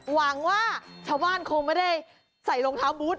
หวังว่าชาวบ้านคงไม่ได้ใส่รองเท้าบูธ